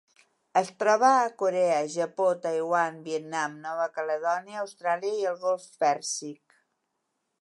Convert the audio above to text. Es troba a Corea, Japó, Taiwan, Vietnam, Nova Caledònia, Austràlia i el Golf Pèrsic.